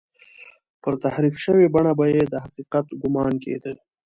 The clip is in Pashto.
پر تحریف شوې بڼه به یې د حقیقت ګومان کېده.